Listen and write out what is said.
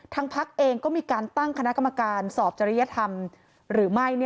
พักเองก็มีการตั้งคณะกรรมการสอบจริยธรรมหรือไม่